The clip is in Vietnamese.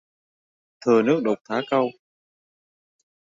Thừa nước đục thả câu